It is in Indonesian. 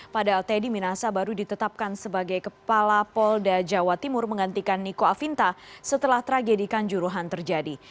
padahal teddy minasa baru ditetapkan sebagai kepala polda jawa timur menggantikan niko afinta setelah tragedi kanjuruhan terjadi